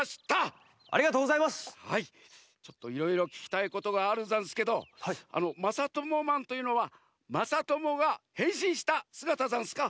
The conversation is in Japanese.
ちょっといろいろききたいことがあるざんすけどまさともマンというのはまさともがへんしんしたすがたざんすか？